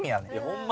ホンマ？